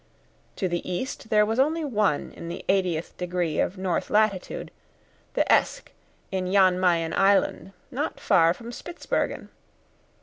To the east there was only one in the 80th degree of north latitude, the Esk in Jan Mayen Island, not far from Spitzbergen!